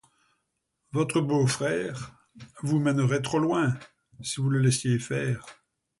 Votre beau-frère vous mènerait trop loin, si vous le laissiez faire...